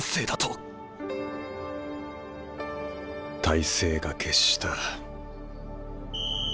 大勢が決した。